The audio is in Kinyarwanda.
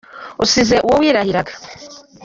Usize uwo wirahiraga